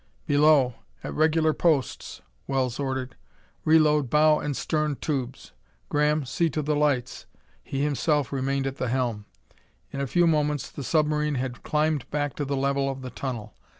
"Below, at regular posts," Wells ordered. "Reload bow and stern tubes. Graham, see to the lights." He himself remained at the helm. In a few moments the submarine had climbed back to the level of the tunnel.